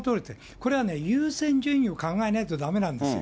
これはね、優先順位を考えないとだめなんですよ。